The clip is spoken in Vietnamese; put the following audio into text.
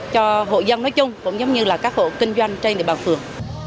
cho hội dân nói chung cũng như các hội kinh doanh trên địa bàn phường